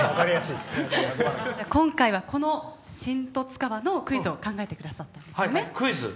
今回はこの新十津川のクイズを考えてくださったんですよね。